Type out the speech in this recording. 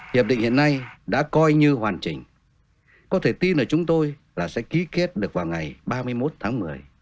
hiệp định hiện nay đã coi như hoàn chỉnh có thể tin ở chúng tôi là sẽ ký kết được vào ngày ba mươi một tháng một mươi